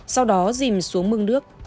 sau đó dìm xuống mương nước